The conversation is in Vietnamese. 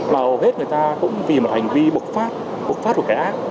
mà hầu hết người ta cũng vì một hành vi bộc phát bộc phát một kẻ ác